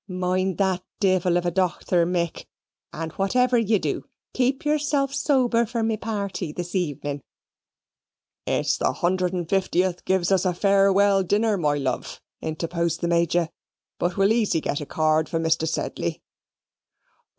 (Mind that divvle of a docther, Mick, and whatever ye du, keep yourself sober for me party this evening.)" "It's the 150th gives us a farewell dinner, my love," interposed the Major, "but we'll easy get a card for Mr. Sedley."